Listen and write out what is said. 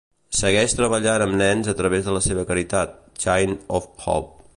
Segueix treballant amb nens a través de la seva caritat: Chain of Hope.